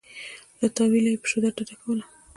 له تأویله یې په شدت ډډه کوله.